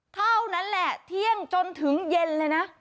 เท่านั้นแหละเที่ยงจนถึงเย็นเลยนะ